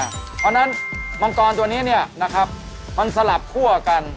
เพราะฉะนั้นมังกรตัวนี้เนี่ยนะครับมันสลับคั่วกัน